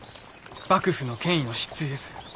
幕府の権威の失墜です。